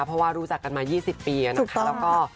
เพราะว่ารู้จักกันมา๒๐ปีนะคะแล้วก็